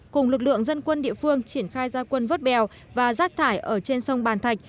cùng lực lượng dân quân địa phương triển khai gia quân vớt bèo và rác thải ở trên sông bàn thạch